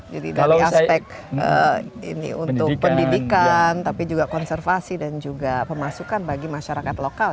jadi dari aspek pendidikan tapi juga konservasi dan juga pemasukan bagi masyarakat lokal